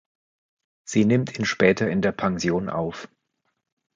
Sie nimmt ihn später in der Pension auf.